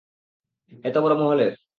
এত বড় মহলের।